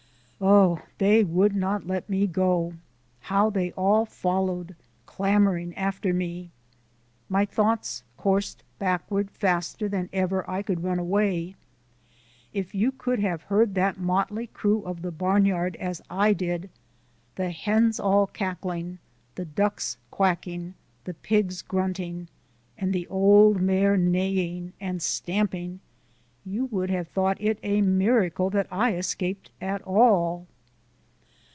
Oh, they would not let me go! How they all followed clamoring after me. My thoughts coursed backward faster than ever I could run away. If you could have heard that motley crew of the barnyard as I did the hens all cackling, the ducks quacking, the pigs grunting, and the old mare neighing and stamping, you would have thought it a miracle that I escaped at all.